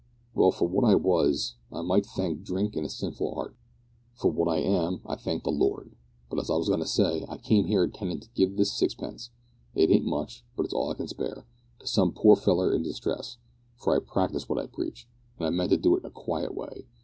"Well. For what I was, I might thank drink and a sinful heart. For what I am I thank the Lord. But, as I was goin' to say, I came here intendin' to give this sixpence it ain't much, but it's all I can spare to some poor feller in distress, for I practise what I preach, and I meant to do it in a quiet way.